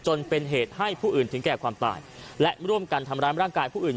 จนเป็นเหตุให้ผู้อื่นถึงแก่ความตายและร่วมกันทำร้ายร่างกายผู้อื่น